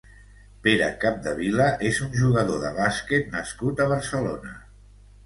Pere Capdevila és un jugador de bàsquet nascut a Barcelona.